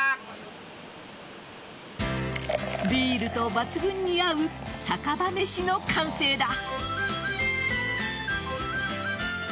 ビールと抜群に合う酒場めしの完成だ。